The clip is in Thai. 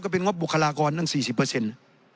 เป็นงบบุคลากรตั้ง๔๐เปอร์เซ็นต์